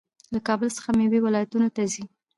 له کابل څخه میوې ولایتونو ته ځي.